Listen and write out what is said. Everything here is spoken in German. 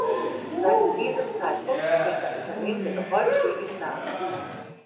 Seit diesem Zeitpunkt trägt das Unternehmen den noch heute gültigen Namen.